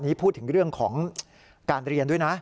นี่พูดถึงเรื่องของการเรียนด้วยนะ